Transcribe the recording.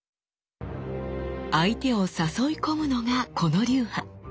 相手を誘い込むのがこの流派。